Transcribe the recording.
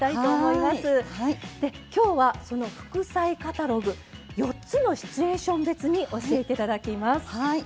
で今日はその「副菜カタログ」４つのシチュエーション別に教えていただきます。